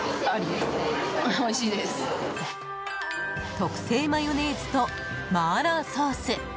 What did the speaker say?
特製マヨネーズとマーラーソース